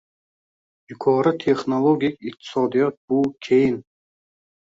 Yuqori texnologik iqtisodiyot bu – keyin